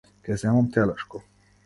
Ќе земам телешко.